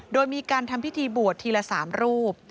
โดยมีการทำพิธีบวชทีละ๓รูป